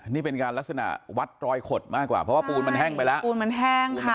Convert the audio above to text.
นี่เป็นการลักษณะวัดรอยขดมากกว่าเพราะปูนมันแห้งไปละ